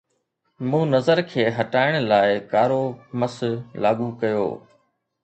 مون نظر کي هٽائڻ لاء ڪارو مس لاڳو ڪيو